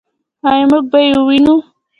آیا موږ به یې ووینو؟